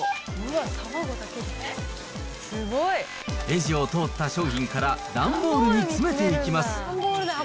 レジを通った商品から段ボールに詰めていきます。